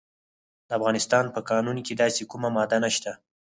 د افغانستان په قانون کې داسې کومه ماده نشته.